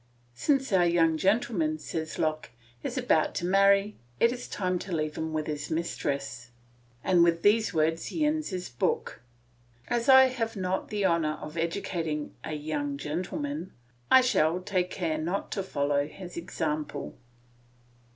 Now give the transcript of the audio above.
"Since our young gentleman," says Locke, "is about to marry, it is time to leave him with his mistress." And with these words he ends his book. As I have not the honour of educating "A young gentleman," I shall take care not to follow his example.